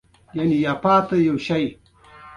دا سړی څوک ده او نوم یې څه ده